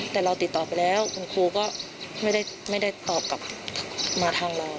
แต่เราติดต่อไปแล้วคุณครูก็ไม่ได้ตอบกลับมาทางเรา